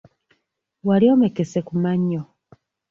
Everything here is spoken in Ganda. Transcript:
Wali omekese ku mannyo?